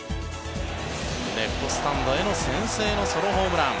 レフトスタンドへの先制のソロホームラン。